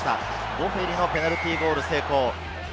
ボフェリのペナルティーゴール成功。